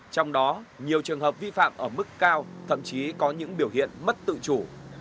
trong đó nhiều trường hợp vi phạm ở mức cao thậm chí có những biểu hiện mất tự chủ